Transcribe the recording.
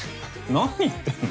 何言ってんの？